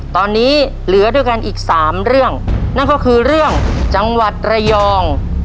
ตอนนี้เหลือด้วยกันอีกสามเรื่องนั่นก็คือเรื่องจังหวัดระยอง